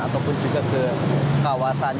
ataupun juga ke kawasan